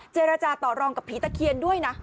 เจรจาต่อรองกับผีตะเคียนด้วยนะ